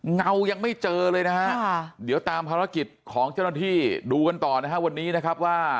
เงายังไม่เจอเลยนะฮะเดี๋ยวตามภารกิจของเจ้าหน้าที่ดูกันต่อนะฮะวันนี้นะครับว่า